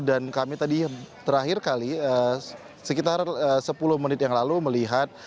dan kami tadi terakhir kali sekitar sepuluh menit yang lalu melihat